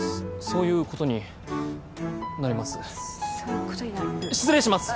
そういうことになる失礼します！